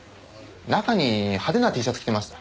中に派手なＴシャツ着てました。